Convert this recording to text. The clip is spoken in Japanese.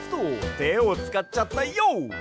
てをつかっちゃったＹＯ！